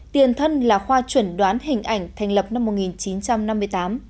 tiền thân là khoa chuẩn đoán hình ảnh thành lập năm một nghìn chín trăm năm mươi tám